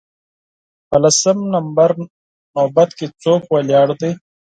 په لسم نمبر نوبت کې څوک ولاړ دی